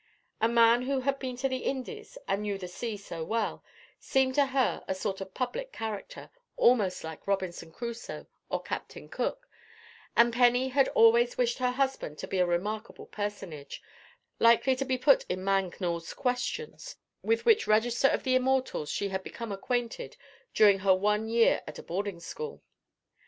A man who had been to the Indies, and knew the sea so well, seemed to her a sort of public character, almost like Robinson Crusoe or Captain Cook; and Penny had always wished her husband to be a remarkable personage, likely to be put in Mangnall's Questions, with which register of the immortals she had become acquainted during her one year at a boarding school.